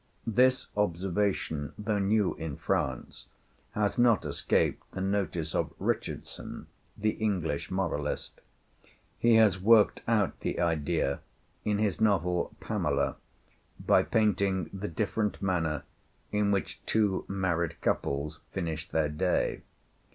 This observation, though new in France, has not escaped the notice of Richardson, the English moralist. He has worked out the idea in his novel 'Pamela,' by painting the different manner in which two married couples finish their day.